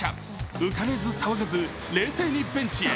浮かれず、騒がず、冷静にベンチへ。